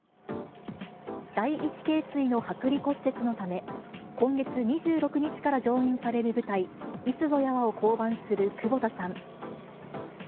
第一頸椎の剥離骨折のため、今月２６日から上演される舞台、いつぞやはを降板する窪田さん。